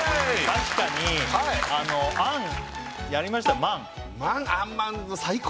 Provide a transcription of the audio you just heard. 確かにあんやりました